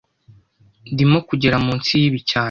Ndimo kugera munsi yibi cyane